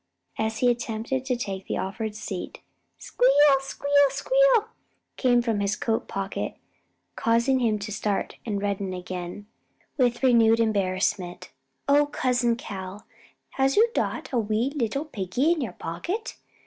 As he attempted to take the offered seat, "Squeal! squeal! squeal!" came from his coat pocket, causing him to start and redden again, with renewed embarrassment. "O Cousin Cal! has you dot a wee little piggie in your pocket?